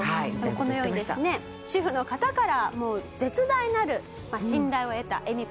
このようにですね主婦の方から絶大なる信頼を得た恵美子さんはですね